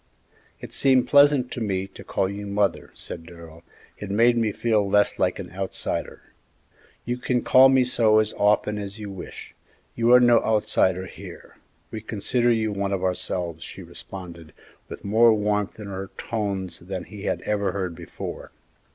"It seemed pleasant to me to call you 'mother,'" said Darrell; "it made me feel less like an outsider." "You can call me so as often as you wish; you are no outsider here; we consider you one of ourselves," she responded, with more warmth in her tones than he had ever heard before.